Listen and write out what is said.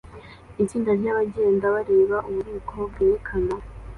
Itsinda ryabagenda bareba ububiko bwerekana